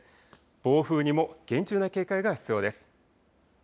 暴風にも厳重な警戒が必要です。